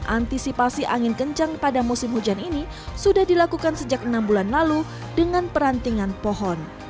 antisipasi angin kencang pada musim hujan ini sudah dilakukan sejak enam bulan lalu dengan perantingan pohon